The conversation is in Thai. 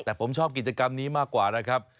แต่ผมชอบกิจกรรมนี้มากกว่านะครับ